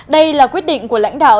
đây là quyết định của lãnh đạo